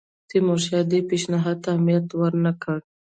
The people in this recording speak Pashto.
تیمورشاه دې پېشنهاد ته اهمیت ورنه کړ.